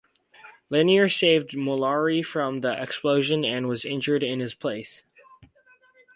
Lennier saved Mollari from the explosion and was injured in his place.